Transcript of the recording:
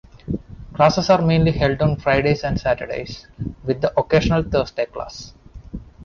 Classes are mainly held on Fridays and Saturdays, with the occasional Thursday class.